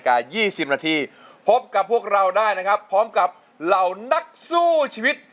๒๐นาทีพบกับพวกเราได้นะครับพร้อมกับเหล่านักสู้ชีวิต